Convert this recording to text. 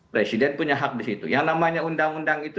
presiden punya hak disitu yang namanya undang undang itu